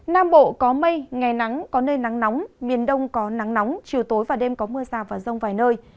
nam bộ có mây ngày nắng có nơi nắng nóng miền đông có nắng nóng chiều tối và đêm có mưa rào và rông vài nơi